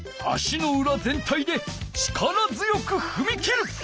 足のうら全体で力強くふみ切る。